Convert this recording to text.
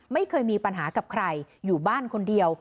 ไม่เคยมีปัญหากับใครอยู่บ้านคนเดียว